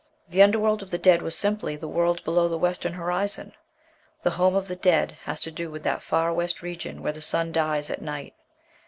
The under world of the dead was simply the world below the western horizon; "the home of the dead has to do with that far west region where the sun dies at night."